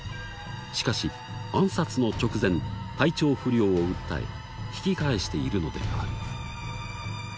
しかし暗殺の直前体調不良を訴え引き返しているのである。